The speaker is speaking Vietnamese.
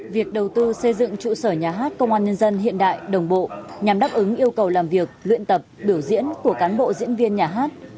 việc đầu tư xây dựng trụ sở nhà hát công an nhân dân hiện đại đồng bộ nhằm đáp ứng yêu cầu làm việc luyện tập biểu diễn của cán bộ diễn viên nhà hát